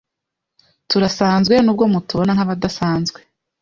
Turasanzwe nubwo mutubona nkabadasanzwe.